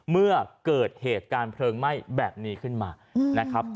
เมื่อเกิดเหตุการณ์เพลิงไหม้แบบนี้ขึ้นมานะครับ